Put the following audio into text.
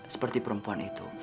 seperti perempuan itu